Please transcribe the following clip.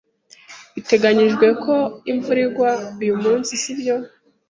Biteganijwe ko imvura igwa uyu munsi, sibyo?